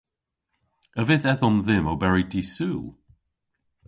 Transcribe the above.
A vydh edhom dhymm oberi dy'Sul?